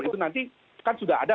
itu nanti kan sudah ada